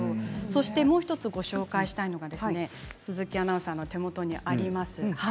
そしてもう１つご紹介したいのが鈴木アナウンサーの手元にあります